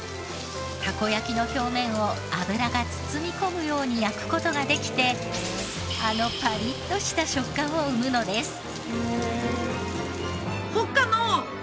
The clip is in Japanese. たこ焼きの表面を油が包み込むように焼く事ができてあのパリッとした食感を生むのです。